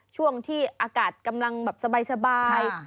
ช่วงที่อากาศกำลังแบบสบาย